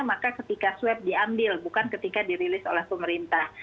maka ketika swab diambil bukan ketika dirilis oleh pemerintah